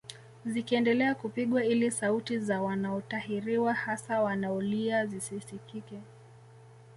Zikiendelea kupigwa ili sauti za wanaotahiriwa hasa wanaolia zisisikike